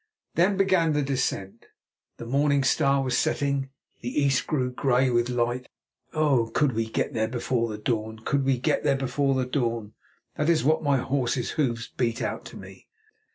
Then began the descent. The morning star was setting, the east grew grey with light. Oh! could we get there before the dawn? Could we get there before the dawn? That is what my horse's hoofs beat out to me.